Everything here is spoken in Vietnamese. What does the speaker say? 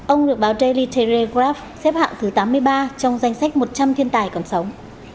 ông được báo daily telegraph xếp hạng thứ tám mươi ba trong danh sách một trăm linh thiên tài cầm sống